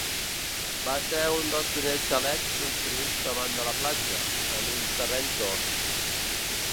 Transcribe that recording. Va ser un dels primers xalets construïts davant de la platja, en uns terrenys d'horts.